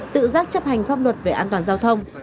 tự giác chấp hành pháp luật về an toàn giao thông